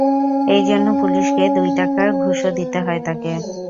এই জন্য পুলিশকে দুই টাকা ঘুষও দিতে হয় তাঁকে।